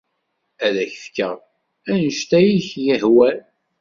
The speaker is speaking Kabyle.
Ad ak-d-fkeɣ anect ay ak-yehwan.